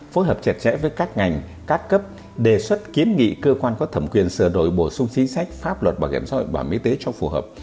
phối hợp chặt chẽ với các ngành các cấp đề xuất kiến nghị cơ quan có thẩm quyền sửa đổi bổ sung chính sách pháp luật bảo hiểm xã hội bảo hiểm y tế cho phù hợp